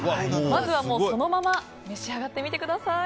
まずはそのまま召し上がってみてください。